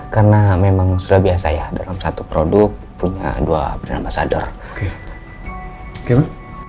karena memang sudah biasa ya dalam satu produk punya dua brand ambassador ya